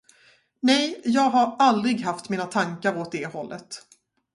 Nej, jag har aldrig haft mina tankar åt det hållet.